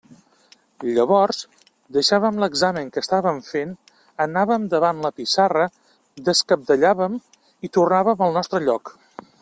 Llavors deixàvem l'examen que estàvem fent, anàvem davant la pissarra, descabdellàvem, i tornàvem al nostre lloc.